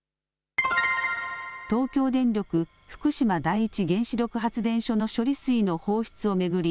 東京電力福島第一原子力発電所の処理水の放出を巡り